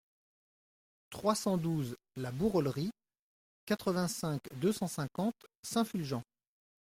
trois cent douze la Bourolerie, quatre-vingt-cinq, deux cent cinquante, Saint-Fulgent